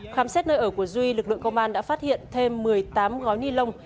khám xét nơi ở của duy lực lượng công an đã phát hiện thêm một mươi tám gói ni lông